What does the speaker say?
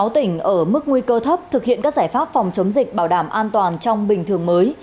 sáu tỉnh ở mức nguy cơ thấp thực hiện các giải pháp phòng chống dịch bảo đảm an toàn trong bình thường mới